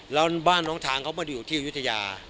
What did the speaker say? แล้วบ้านน้องทามเขาไม่อยู่ที่อุทิวะยา